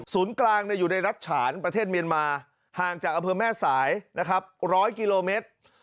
สูตรกลางนั้นอยู่ในรัฐฉานประเทศเมียนมาห่างจากอเผือแม่สาย๑๐๐กิโลเมตร